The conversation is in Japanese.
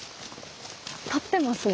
立ってますね。